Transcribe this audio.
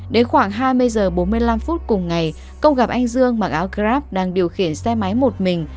đến khoảng hai mươi h bốn mươi năm phút cùng ngày công gặp anh dương mặc áo grab đang điều khiển xe máy một mình